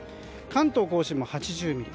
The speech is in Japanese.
関東・甲信も８０ミリ。